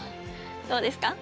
どうですか？